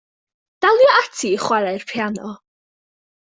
Dalia ati i chwarae'r piano.